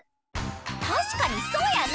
たしかにそうやな！